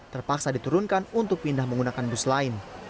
terpaksa diturunkan untuk pindah menggunakan bus lain